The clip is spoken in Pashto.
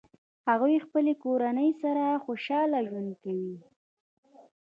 هغوی خپلې کورنۍ سره خوشحال ژوند کوي